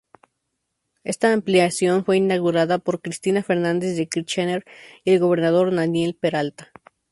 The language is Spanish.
Esta ampliación fue inaugurada por Cristina Fernández de Kirchner y el gobernador Daniel Peralta.